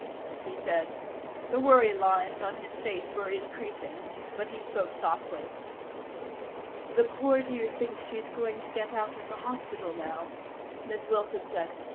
he said. The worry lines on his face were increasing, but he spoke softly. "The poor dear thinks she's going to get out of the hospital now," Miss Wilson said.